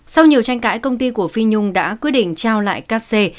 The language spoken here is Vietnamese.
sau nhiều tranh cãi công ty của phi nhung đã quyết định trao lại các xe